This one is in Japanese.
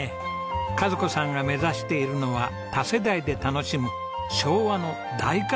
和子さんが目指しているのは多世代で楽しむ昭和の大家族の食卓です。